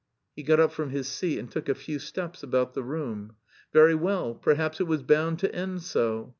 He got up from his seat and took a few steps about the room. "Very well, perhaps it was bound to end so....